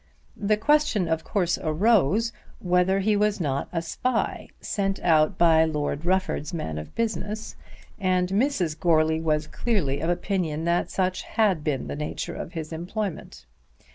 The question of course arose whether he was not a spy sent out by Lord Rufford's man of business, and Mrs. Goarly was clearly of opinion that such had been the nature of his employment.